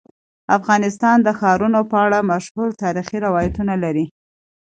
افغانستان د ښارونه په اړه مشهور تاریخی روایتونه لري.